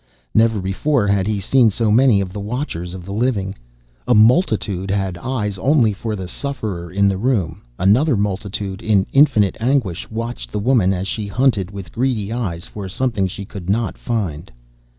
Never before had he seen so many of the Watchers of the Living. A multitude had eyes only for the sufferer in the room, another multitude, in infinite anguish, watched the woman as she hunted with greedy eyes for something she could not find.